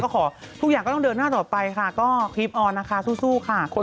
ให้กำลังใจดาราทุกคนให้ฝ่าฝั่งอุปสรรคค่า